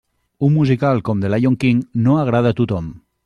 Un musical com The Lyon King no agrada a tothom.